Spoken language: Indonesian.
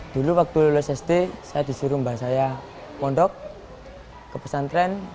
dulu waktu lulus sd saya disuruh mbak saya pondok ke pesantren